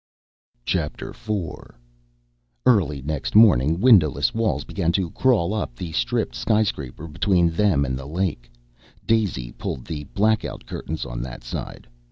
IV Early next morning windowless walls began to crawl up the stripped skyscraper between them and the lake. Daisy pulled the black out curtains on that side.